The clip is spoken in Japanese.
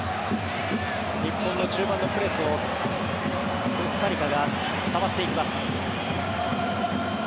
日本の中盤のプレスをコスタリカがかわしていきます。